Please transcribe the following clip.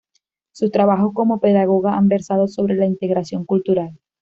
Sus trabajos como pedagoga han versado sobre la integración cultural.